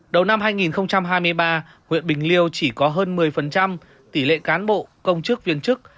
đầu năm hai nghìn hai mươi ba huyện bình liêu chỉ có hơn một mươi tỷ lệ cán bộ công chức viên chức